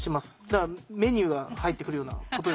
だからメニューが入ってくるようなことですもんね。